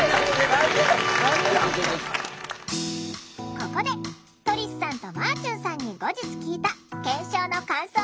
ここでトリスさんとまぁちゅんさんに後日聞いた検証の感想を紹介！